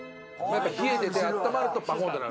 冷えててあったまるとバコンッて鳴る。